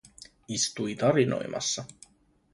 Istui tarinoimassa.